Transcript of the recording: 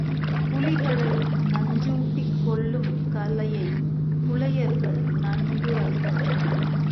புலிகளை நஞ்சூட்டிக் கொல்லும் கலையைப் புலையர்கள் நன்கு அறிவார்கள்.